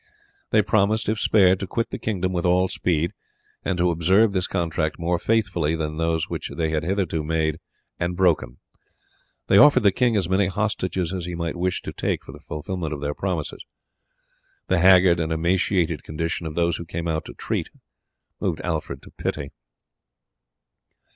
They promised if spared to quit the kingdom with all speed, and to observe this contract more faithfully than those which they had hitherto made and broken. They offered the king as many hostages as he might wish to take for the fulfilment of their promises. The haggard and emaciated condition of those who came out to treat moved Alfred to pity.